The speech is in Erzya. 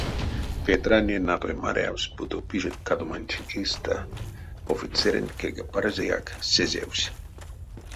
Петранень натой марявсь, буто пижакадоманть эйстэ офицерэнть кирьгапарезэяк сезевсь.